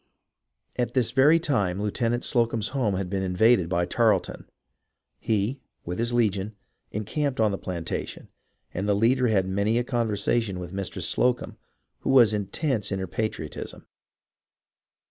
At this very time Lieutenant Slocumb's home had been invaded by Tarleton. He, with his legion, encamped on the plantation, and the leader had many a conversation with Mistress Slocumb, who was intense in her patriotism.